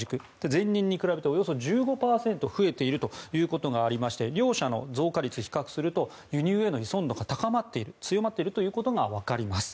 前年に比べておよそ１５％増えているということがありまして両者の増加率を比較すると輸入への依存度が高まっている強まっているということがわかります。